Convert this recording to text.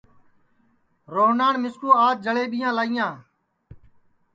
روہنان مِسکُو آج جݪئٻیاں لائیاں